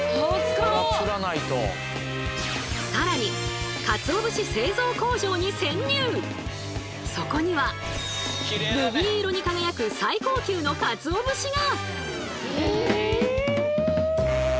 更にそこにはルビー色に輝く最高級のかつお節が！